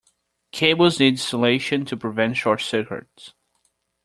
Cables need insulation to prevent short circuits.